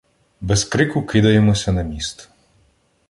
Без крику кидаємося на міст.